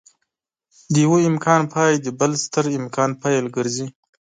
د يوه امکان پای د بل ستر امکان پيل ګرځي.